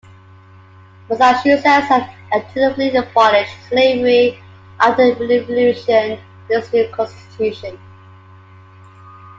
Massachusetts had effectively abolished slavery after the Revolution with its new constitution.